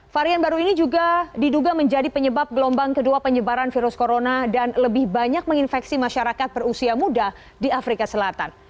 varian baru ini juga diduga menjadi penyebab gelombang kedua penyebaran virus corona dan lebih banyak menginfeksi masyarakat berusia muda di afrika selatan